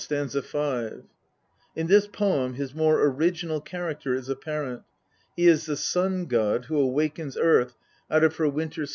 st. 5). In this poem his more original character is apparent. He is the Sun god who awakens earth out of her winter INTRODUCTION.